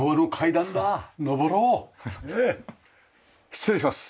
失礼します。